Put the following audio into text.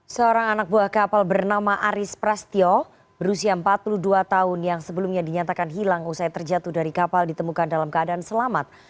seorang anak buah kapal bernama aris prastyo berusia empat puluh dua tahun yang sebelumnya dinyatakan hilang usai terjatuh dari kapal ditemukan dalam keadaan selamat